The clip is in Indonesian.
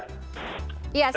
iya singkat saja